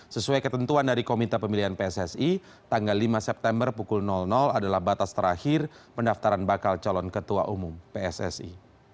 sesuai ketentuan dari komite pemilihan pssi tanggal lima september pukul adalah batas terakhir pendaftaran bakal calon ketua umum pssi